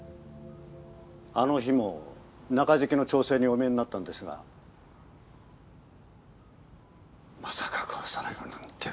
あの日も中敷きの調整にお見えになったのですがまさか殺されるなんて。